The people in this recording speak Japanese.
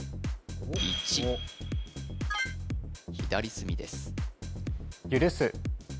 １左隅です